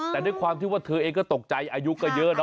แต่ด้วยความที่ว่าเธอเองก็ตกใจอายุก็เยอะนะ